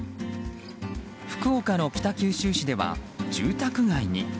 福岡の北九州市では住宅街に。